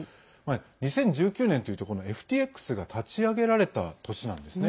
２０１９年というと、ＦＴＸが立ち上げられた年なんですね。